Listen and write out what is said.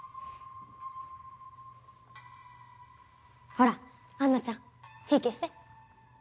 ほらアンナちゃん火消して。